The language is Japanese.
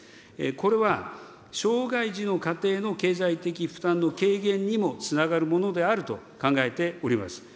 これは、障害児の家庭の経済的負担の軽減にもつながるものであると考えております。